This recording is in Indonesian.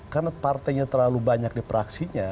karena partainya terlalu banyak di praksinya